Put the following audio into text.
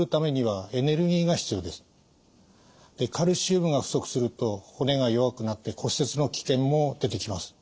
カルシウムが不足すると骨が弱くなって骨折の危険も出てきます。